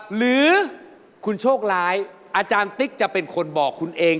หรือคุณโชคร้ายอาจารย์ติ๊กจะเป็นคนบอกคุณเอง